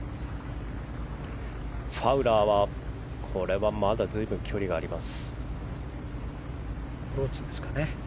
ファウラーはまだ随分、距離があります。